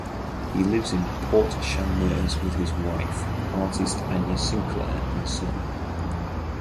He lives in Port Chalmers with his wife (artist Anya Sinclair) and son.